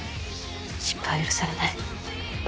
失敗は許されない。